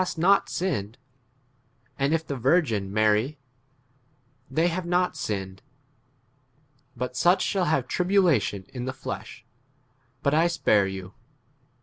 to not sinned ; and if the virgin marry, they havei not sinned : but such shall have tribulation in the flesh; but I spare you.